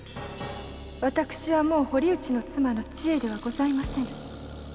私はもう堀内の妻の千恵ではありませぬ